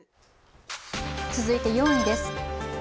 続いて４位です。